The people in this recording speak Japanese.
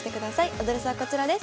アドレスはこちらです。